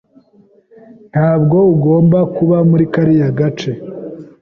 Ntabwo ugomba kuba muri kariya gace.